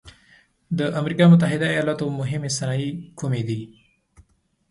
د امریکا متحد ایلاتو مهمې صنایع کومې دي؟